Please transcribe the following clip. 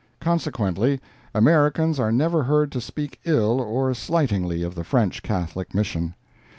Consequently, Americans are never heard to speak ill or slightingly of the French Catholic Mission.